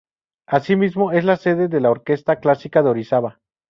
Asimismo es la sede de la Orquesta Clásica de Orizaba.